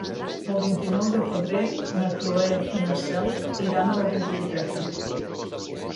El vint-i-nou de febrer na Cloè i na Cel iran a la biblioteca.